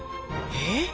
えっ？